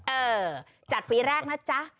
เออจัดปีแรกนะจ๊ะ